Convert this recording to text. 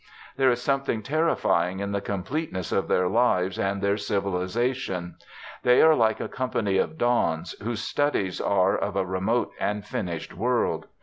There is something terrifying in the completeness of their lives and their civilisation. They are like a company of dons whose studies are of a remote and finished world.